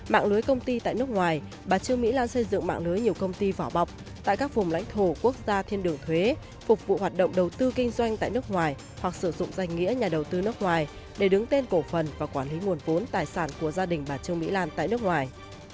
mạng lưới công ty tại nước ngoài bà trương mỹ lan xây dựng mạng lưới nhiều công ty vỏ bọc tại các vùng lãnh thổ quốc gia thiên đường thuế phục vụ hoạt động đầu tư kinh doanh tại nước ngoài hoặc sử dụng danh nghĩa nhà đầu tư nước ngoài để đứng tên cổ phần và quản lý nguồn vốn tài sản của gia đình bà trương mỹ lan tại nước ngoài